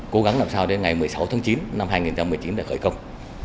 cố gắng làm sao đến ngày một mươi sáu tháng chín năm hai nghìn một mươi chín để khởi công